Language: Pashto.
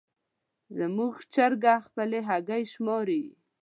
زموږ چرګه خپلې هګۍ شماري.